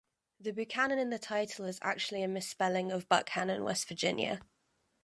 The Buchannon in the title is actually a misspelling of Buckhannon, West Virginia.